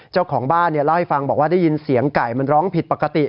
เจ้าของบ้านเล่าให้ฟังบอกว่าได้ยินเสียงไก่มันร้องผิดปกติ